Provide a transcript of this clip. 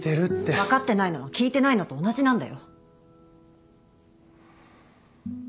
分かってないのは聞いてないのと同じなんだよ。